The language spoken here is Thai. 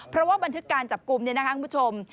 เพราะว่าบันทึกการจับกลุ่มเนี่ยนะคะคุณผู้ชม